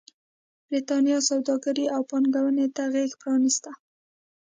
برېټانیا سوداګرۍ او پانګونې ته غېږ پرانېسته.